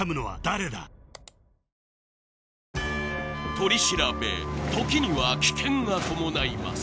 ［取り調べ時には危険が伴います］